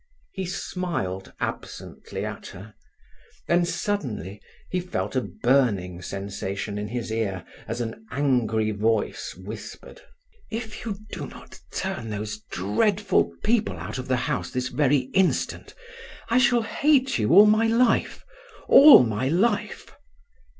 He smiled absently at her; then suddenly he felt a burning sensation in his ear as an angry voice whispered: "If you do not turn those dreadful people out of the house this very instant, I shall hate you all my life—all my life!"